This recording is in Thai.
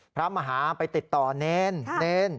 พระมหาไปติดต่อเนรเนร